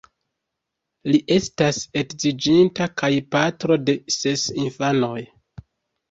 Li estas edziĝinta kaj patro de ses infanoj.